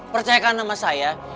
percayakan sama saya